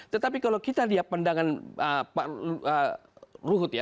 tetapi kalau kita lihat pendangan pak luhut